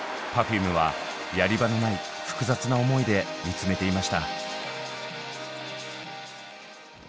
Ｐｅｒｆｕｍｅはやり場のない複雑な思いで見つめていました。